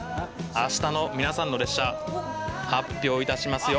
あしたの皆さんの列車発表いたしますよ。